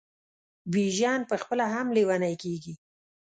بیژن پخپله هم لېونی کیږي.